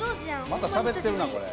またしゃべってるなこれ。